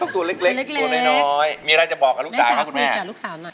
ตัวเล็กมีอะไรจะบอกกับลูกสาวครับคุณแม่